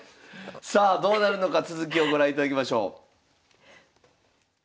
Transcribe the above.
さあどうなるのか続きをご覧いただきましょう。